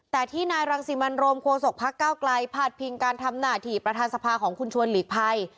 แต่ที่นายรังสิมันโรมโคศกพักเก้าไกลพาดพิงการทำหน้าที่ประธานสภาของคุณชวนหลีกภัย